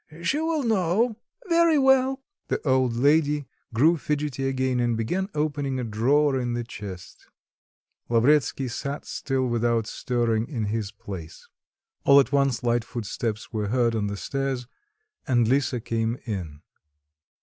she will know." "Very well." The old lady grew fidgety again and began opening a drawer in the chest. Lavretsky sat still without stirring in his place. All at once light footsteps were heard on the stairs and Lisa came in.